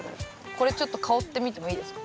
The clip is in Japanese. これちょっと香ってみてもいいですか？